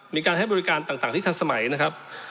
มีการให้บริการต่างที่ทันสมัยนะครับ